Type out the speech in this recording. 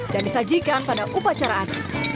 dan disajikan pada upacaraan